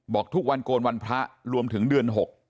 บอกทุกวันโกนวันพระรวมถึงเดือน๖